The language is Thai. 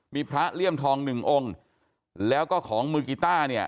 มีพระเลี่ยมทองหนึ่งองค์แล้วก็ของมือกีต้าเนี่ย